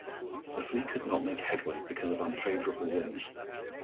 The fleet could not make headway because of unfavorable winds.